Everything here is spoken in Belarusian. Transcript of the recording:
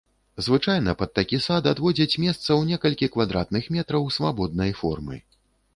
Звычайна пад такі сад адводзяць месца ў некалькі квадратных метраў свабоднай формы.